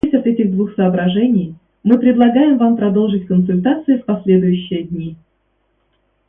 Отталкиваясь от этих двух соображений, мы предлагаем Вам продолжить консультации в последующие дни.